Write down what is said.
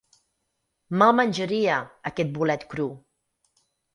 Me'l menjaria, aquest bolet cru!